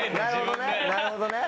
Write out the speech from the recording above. なるほどね。